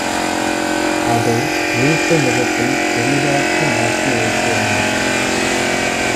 அதை வீட்டு முகப்பில் பெரிதாக்கி மாட்டி வைத்திருந்தாள்.